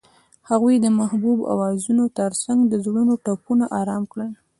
هغې د محبوب اوازونو ترڅنګ د زړونو ټپونه آرام کړل.